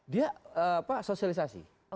dia apa sosialisasi